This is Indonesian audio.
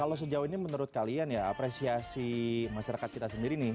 kalau sejauh ini menurut kalian ya apresiasi masyarakat kita sendiri nih